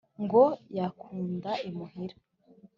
Ngo yakunda imuhira.